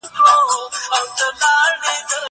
زه پرون ليکنه وکړه!!